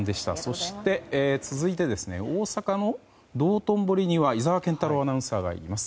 そして、続いて大阪の道頓堀には井澤健太朗アナウンサーがいます。